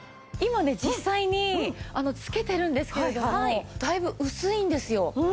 今ね実際に着けてるんですけれどもだいぶ薄いんですよ。